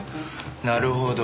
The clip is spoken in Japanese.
なるほど。